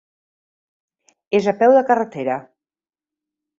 És a peu de carretera.